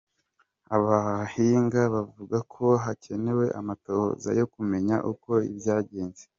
Abahinga bavuga ko hakenewe amatohoza yo kumenya uko vyagenze.